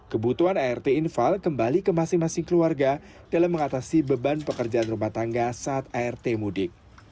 kebutuhan art infal kembali ke masing masing keluarga dalam mengatasi beban pekerjaan rumah tangga saat art mudik